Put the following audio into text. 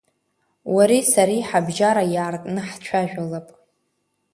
Уареи сареи ҳабжьара иаартны ҳцәажәалап.